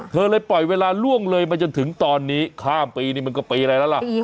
เธอเลยปล่อยเวลาล่วงเลยมาจนถึงตอนนี้ข้ามปีนี่มันก็ปีอะไรแล้วล่ะ